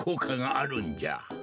あるんじゃ。